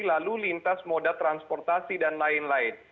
lalu lintas moda transportasi dan lain lain